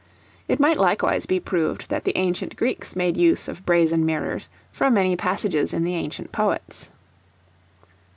It might likewise be proved that the ancient Greeks made use of brazen mirrors, from many passages in the ancient poets.